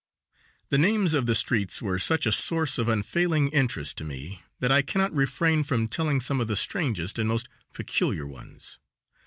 The names of the streets were such a source of unfailing interest to me that I cannot refrain from telling of some of the strangest and most peculiar ones.